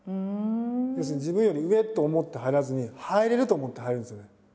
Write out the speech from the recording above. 要するに「自分より上」と思って入らずに「入れる」と思って入るんですよね。